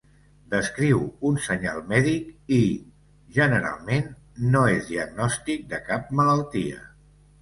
Descriu un senyal mèdic i, generalment, no és diagnòstic de cap malaltia.